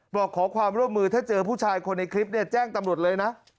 บอกขอความร่วมมือถ้าเจอผู้ชายคนในคลิปเนี่ยแจ้งตำรวจเลยนะ